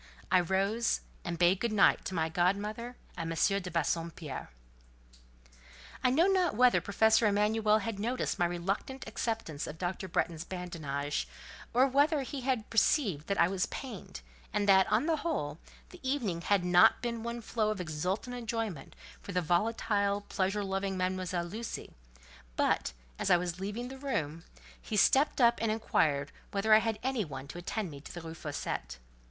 I rose, and bade good night to my godmother and M. de Bassompierre. I know not whether Professor Emanuel had noticed my reluctant acceptance of Dr. Bretton's badinage, or whether he perceived that I was pained, and that, on the whole, the evening had not been one flow of exultant enjoyment for the volatile, pleasure loving Mademoiselle Lucie; but, as I was leaving the room, he stepped up and inquired whether I had any one to attend me to the Rue Fossette.